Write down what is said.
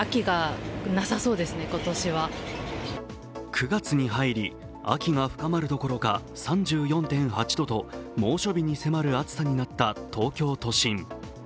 ９月に入り、秋が深まるどころか３４．８度と猛暑日に迫る暑さとなった東京都心。